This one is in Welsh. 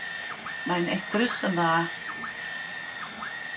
Mae'n edrych yn dda.